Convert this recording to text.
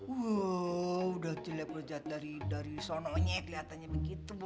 wow udah jelek rejat dari sononya kelihatannya begitu bo